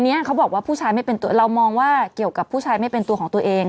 เขาบอกว่าผู้ชายไม่เป็นตัวเรามองว่าเกี่ยวกับผู้ชายไม่เป็นตัวของตัวเอง